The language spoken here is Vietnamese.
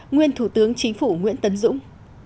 nguyên thủ tướng chính phủ nguyễn tấn dũng